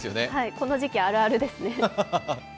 この時期、あるあるですね